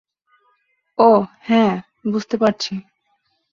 ওহ, হ্যাঁ, বুঝতে পারছি।